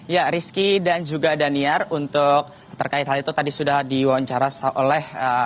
ya rizky dan juga daniar untuk terkait hal itu tadi sudah diwawancara oleh